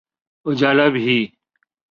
اجالا بھی۔